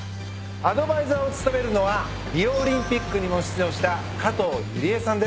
アドバイザーを務めるのはリオオリンピックにも出場した加藤友里恵さんです。